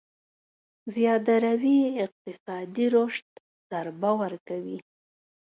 زياده روي اقتصادي رشد ضربه ورکوي.